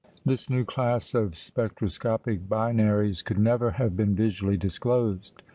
This new class of "spectroscopic binaries" could never have been visually disclosed.